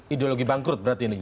ideologi bangkrut berarti ini